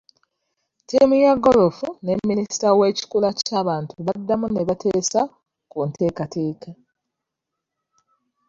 Ttiimu ya goolofu ne minisita w'ekikula ky'abantu baddamu ne bateesa ku nteekateeka.